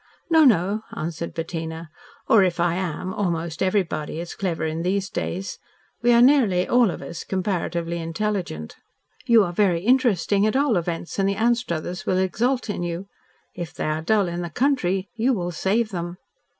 "No, no," answered Bettina, "or, if I am, almost everybody is clever in these days. We are nearly all of us comparatively intelligent." "You are very interesting at all events, and the Anstruthers will exult in you. If they are dull in the country, you will save them."